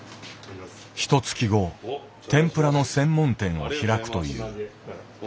ひとつき後天ぷらの専門店を開くという。